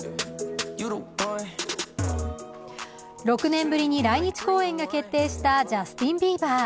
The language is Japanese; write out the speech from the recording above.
６年ぶりに来日公演が決定したジャスティン・ビーバー。